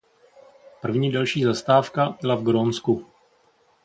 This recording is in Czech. První delší zastávka byla v Grónsku.